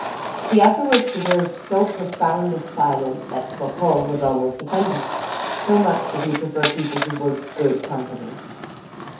He afterwards preserved so profound a silence, that Cropole was almost offended, so much did he prefer people who were good company.